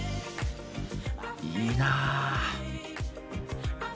いいなぁ。